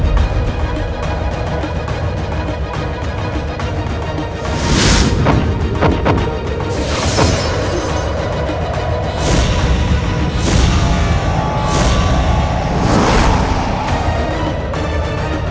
aku akan menemukan sosok asli